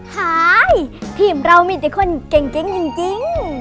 หายทีมเรามีแต่คนเก่งจริง